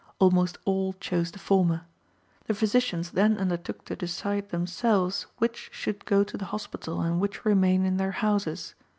Almost all chose the former. The physicians then undertook to decide themselves which should go to the hospital and which remain in their houses.